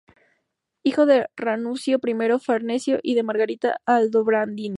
Hijo de Ranuccio I Farnesio y de Margarita Aldobrandini.